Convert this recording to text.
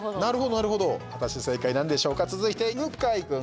果たして正解なんでしょうか？